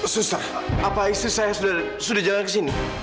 susah apa istri saya sudah jalan ke sini